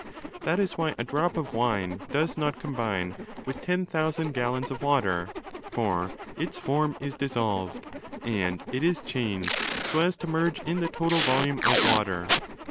(That is why a drop of wine does not 'combine' with ten thousand gallons of water: for its form is dissolved, and it! is changed so as to merge in the total volume of water.)